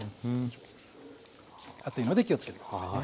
熱いので気をつけて下さいね。